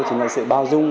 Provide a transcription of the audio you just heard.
của ballet mũi cứng